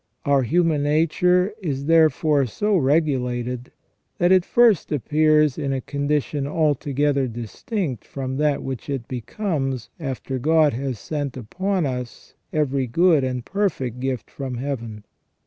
Our human nature is, therefore, so regulated, that it first appears in a condition altogether distinct from that which it becomes after God has sent upon us every good and perfect gift from heaven.